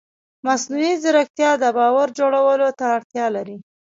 مصنوعي ځیرکتیا د باور جوړولو ته اړتیا لري.